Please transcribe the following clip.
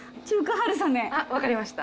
わかりました。